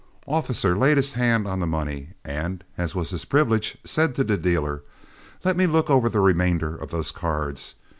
Officer laid his hand on the money, and, as was his privilege, said to the dealer, "Let me look over the remainder of those cards.